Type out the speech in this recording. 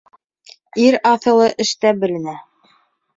Ир аҫылы эштә беленә.